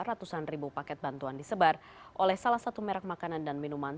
ratusan ribu paket bantuan disebar oleh salah satu merek makanan dan minuman